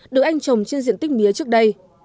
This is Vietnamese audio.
được anh trồng trên diện tích mía trước đây